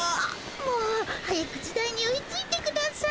もう早く時代に追いついてください。